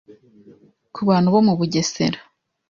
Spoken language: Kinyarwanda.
ku bantu bo mu Bugesera